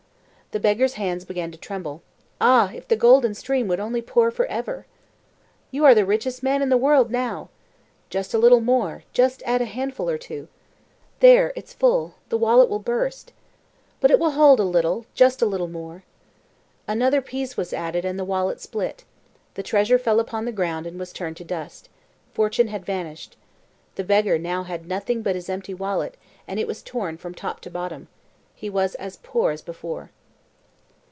The beggar's hands began to tremble. Ah, if the golden stream would only pour for ever! "You are the richest man in the world now!" "Just a little more, add just a handful or two." "There, it's full. The wallet will burst." "But it will hold a little, just a little more!" Another piece was added, and the wallet split. The treasure fell upon the ground and was turned to dust. Fortune had vanished. The beggar had now nothing but his empty wallet, and it was torn from top to bottom. He was as poor as before.